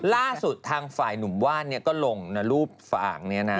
ล่าสุดทางฝ่ายนุมว่านนี่ก็ลงรูปฟางนี้นะ